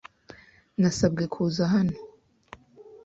Nasabwe kuza hano.